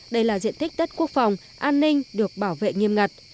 đây là diện tích đất quốc phòng an ninh được bảo vệ nghiêm ngặt